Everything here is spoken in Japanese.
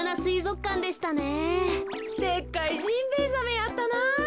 でっかいジンベイザメやったな。